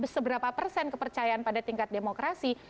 seberapa persen kepercayaan pada tingkat demokrasi